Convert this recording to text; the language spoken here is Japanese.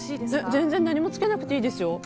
全然何もつけなくていいですよ。